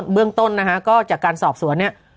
เรื่องต้นนะฮะก็จากการสอบสวนเนี่ย